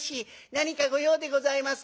何か御用でございますか？」。